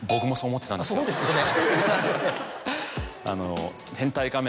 そうですよね。